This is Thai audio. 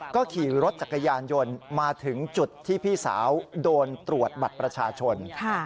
ก็ขี่รถจักรยานยนต์มาถึงจุดที่พี่สาวโดนตรวจบัตรประชาชน